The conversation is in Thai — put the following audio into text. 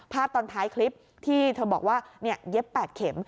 ตอนท้ายคลิปที่เธอบอกว่าเย็บ๘เข็ม